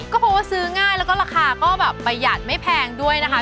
ก็เพราะว่าซื้อง่ายแล้วก็ราคาก็แบบประหยัดไม่แพงด้วยนะคะ